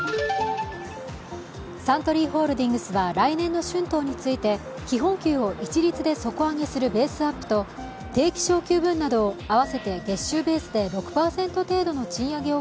サントリーホールディングスは来年の春闘について基本給を一律で底上げするベースアップと定期昇給分などを合わせて月収ベースで６％程度の賃上げを